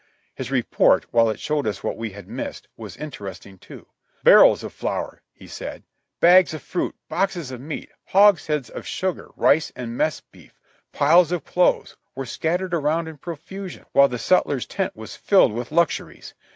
His report, while it showed us what we had missed, was interesting too. "Barrels of flour," he said, "bags of fruit, boxes of meat, hogsheads of sugar, rice and mess beef, piles of clothes, were scattered around in profusion, while the sutler's tent was filled with luxuries.